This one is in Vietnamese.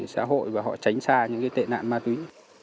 xã hội và họ tránh xa những tệ nạn ma túy